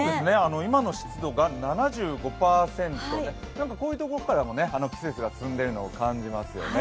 今の湿度が７５％で、こういうところからも季節が進んでいるのを感じますよね。